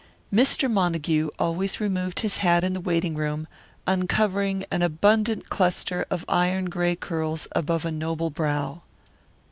Mr. Montague always removed his hat in the waiting room, uncovering an abundant cluster of iron gray curls above a noble brow.